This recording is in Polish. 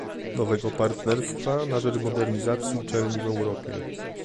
nowego partnerstwa na rzecz modernizacji uczelni w Europie